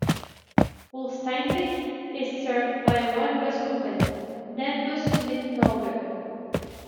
Ulsteinvik is served by one bus company: Nettbuss Midt-Norge.